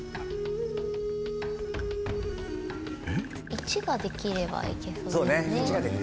１ができればいけそうですね。